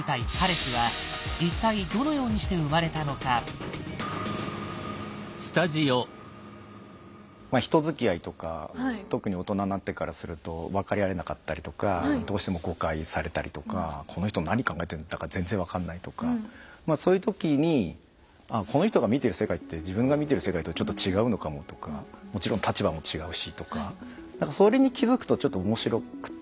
戦いの舞台人づきあいとか特に大人になってからすると分かり合えなかったりとかどうしても誤解されたりとか「この人何考えてるんだか全然分かんない」とかまあそういう時に「この人が見てる世界って自分が見てる世界とちょっと違うのかも」とか「もちろん立場も違うし」とかなんかそれに気付くとちょっと面白くて。